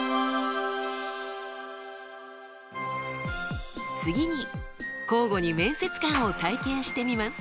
次に交互に面接官を体験してみます。